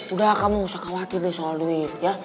udah kamu gak usah khawatir deh soal duit ya